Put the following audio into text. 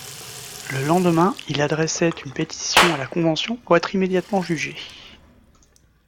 Le lendemain il adressait une pétition à la Convention pour être immédiatement jugé.